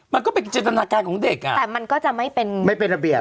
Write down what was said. มันก็เป็นจินตนาการของเด็กอ่ะแต่มันก็จะไม่เป็นไม่เป็นระเบียบ